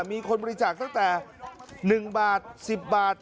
มีคนบริจาคตั้งแต่๑บาท๑๐บาท